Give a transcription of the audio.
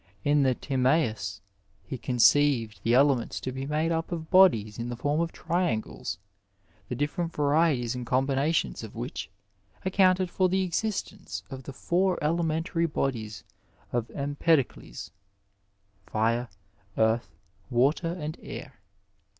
In the Timwus he con ceived the elements to be made up of bodies in the form of triangles, the different varieties and combinations of which accounted for the existence of the four elementary bodies of Empedocles— fire, earth, water, and air.